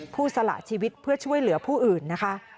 สละชีวิตเพื่อช่วยเหลือผู้อื่นนะคะ